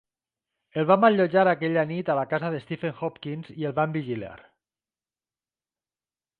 El vam allotjar aquella nit a la casa de Stephen Hopkins i el vam vigilar.